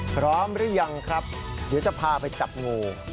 พร้อมหรือยังครับเดี๋ยวจะพาไปจับงู